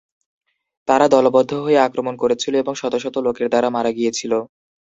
তারা দলবদ্ধ হয়ে আক্রমণ করেছিল এবং শত শত লোকের দ্বারা মারা গিয়েছিল।